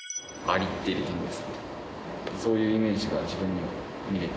そういうイメージが自分には見えて。